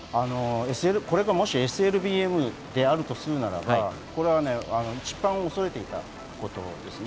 これがＳＬＢＭであるとするならば一番恐れていたことです。